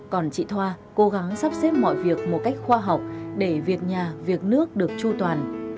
còn chị thoa cố gắng sắp xếp mọi việc một cách khoa học để việc nhà việc nước được chu toàn